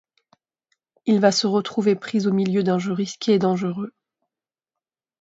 Il va se retrouver pris au milieu d'un jeu risqué et dangereux...